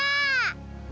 kak gus mau gak